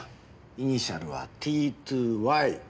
イニシャルは「ＴｔｏＹ」。